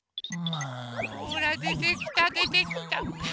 ほらでてきたでてきた！